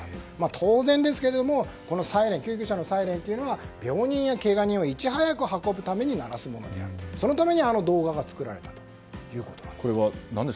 当然ですけれども救急車のサイレンというのは病人や、けが人をいち早く運ぶために鳴らすものでそのために、あの動画が作られたということです。